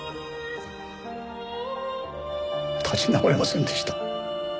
立ち直れませんでした。